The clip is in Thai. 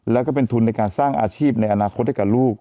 แล้วก็เป็นทุนในการสร้างอาชีพในอนาคตให้กับลูก